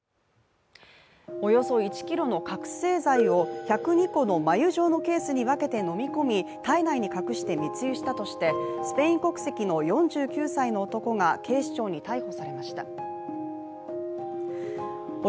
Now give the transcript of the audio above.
およそ１ｋｇの覚醒剤を、１０２個の繭状のケースに分けて飲み込み体内に隠して密輸したとして、スペイン国籍の４９歳の男が警視庁に逮捕されました。